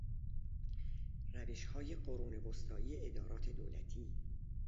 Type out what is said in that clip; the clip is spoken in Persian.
روشهای قرون وسطایی ادارات دولتی